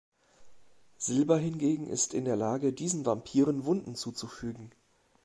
Silber hingegen ist in der Lage, diesen Vampiren Wunden zuzufügen.